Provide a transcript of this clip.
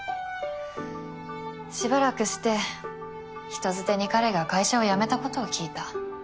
しばらくして人づてに彼が会社を辞めたことを聞いた。